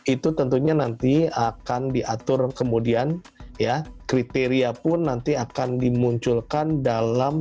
itu tentunya nanti akan diatur kemudian ya kriteria pun nanti akan dimunculkan dalam